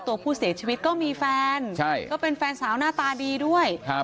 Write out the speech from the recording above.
ตัวผู้เสียชีวิตก็มีแฟนใช่ก็เป็นแฟนสาวหน้าตาดีด้วยครับ